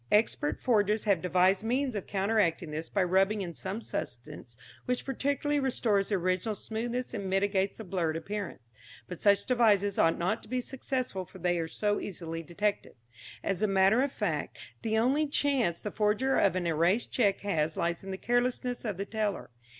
Expert forgers have devised means of counteracting this by rubbing in some substance which partially restores the original smoothness and mitigates the blurred appearance. But such devices ought not to be successful for they are so easily detected. As a matter of fact the only chance the forger of an erased cheque has lies in the carelessness of the teller.